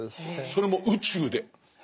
それも宇宙で。